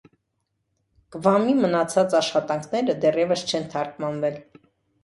Կվամի մնացած աշխատաքները դեռևս չեն թարգմանվել։